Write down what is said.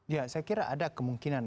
ya saya kira ada kemungkinan